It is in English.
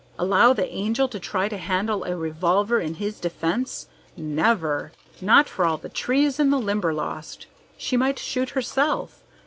Allow the Angel to try to handle a revolver in his defence? Never! Not for all the trees in the Limberlost! She might shoot herself.